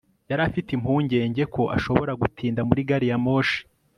yari afite impungenge ko ashobora gutinda muri gari ya moshi